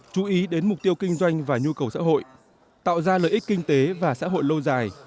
chú ý đến mục tiêu kinh doanh và nhu cầu xã hội tạo ra lợi ích kinh tế và xã hội lâu dài